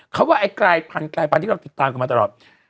เขาว่าไอ้กลายพันธรายพันธุ์ที่เราติดตามกันมาตลอด